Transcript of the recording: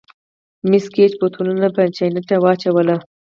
مېس ګېج بوتلونه په چانټه کې واچول.